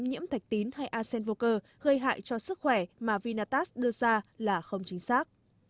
nhiễm thạch tín hay asen vô cơ gây hại cho sức khỏe mà vinatast đưa ra là không chính xác